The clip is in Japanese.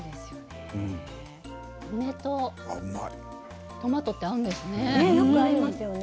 梅とトマトって合うんですね。